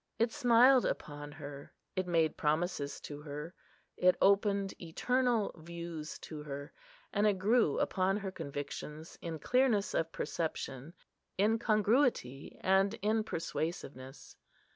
It smiled upon her; it made promises to her; it opened eternal views to her; and it grew upon her convictions in clearness of perception, in congruity, and in persuasiveness.